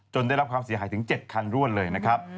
นะครับจนได้รับความเสียหายถึงเจ็ดคันร่วมเลยนะครับ